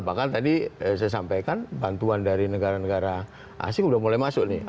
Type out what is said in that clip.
bahkan tadi saya sampaikan bantuan dari negara negara asing sudah mulai masuk nih